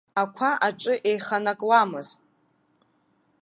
Ақәа аҿы еиханакуамызт.